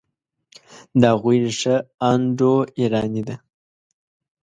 د هغوی ریښه انډوایراني ده.